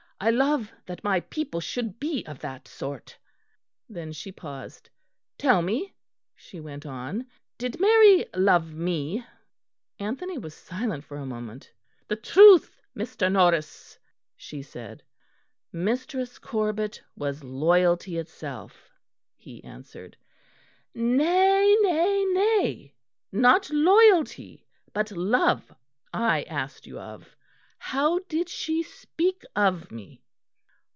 "I love that my people should be of that sort." Then she paused. "Tell me," she went on, "did Mary love me?" Anthony was silent for a moment. "The truth, Mr. Norris," she said. "Mistress Corbet was loyalty itself," he answered. "Nay, nay, nay, not loyalty but love I asked you of. How did she speak of me?"